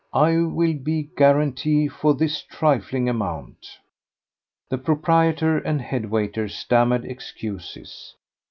I will be guarantee for this trifling amount." The proprietor and head waiter stammered excuses.